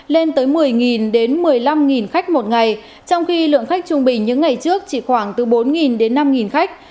lên tới một mươi đến một mươi năm khách một ngày trong khi lượng khách trung bình những ngày trước chỉ khoảng từ bốn đến năm khách